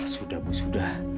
sudah bu sudah